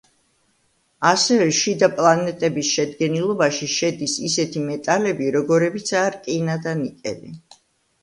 ასევე შიდა პლანეტების შედგენილობაში შედის ისეთი მეტალები, როგორებიცაა რკინა და ნიკელი.